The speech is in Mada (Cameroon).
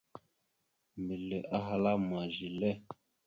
Mbelle ahala: « Ma zelle? ».